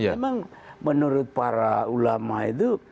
memang menurut para ulama itu